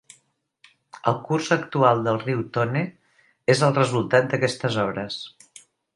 El curs actual del riu Tone és el resultat d'aquestes obres.